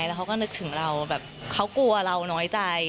แล้วเขาก็นึกถึงเราแบบเขากลัวเราน้อยใจ